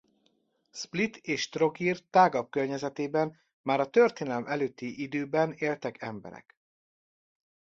Split és Trogir tágabb környezetében már a történelem előtti időben éltek emberek.